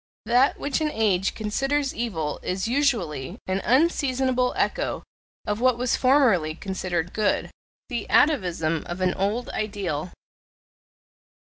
That which an age considers evil is usually an unseasonable echo of what was formerly considered good the atavism of an old ideal.